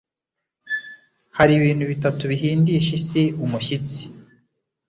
Hari ibintu bitatu bihindisha isi umushyitsi